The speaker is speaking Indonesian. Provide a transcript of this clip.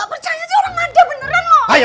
aku gak percaya sih orang ada beneran lo